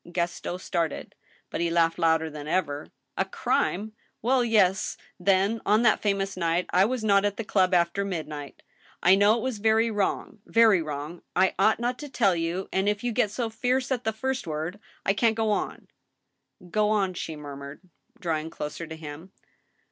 Gaston started ; but he laughed louder than ever. " A crime ? Well, yes, then— ron that famous night I was not at the club after midnight. I know it was wrong, very wrong ; I ought not to tell you, and if you get so fierce at the first word, I can't go on "" Go on," she murmured, drawing closer to him.